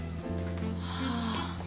はあ。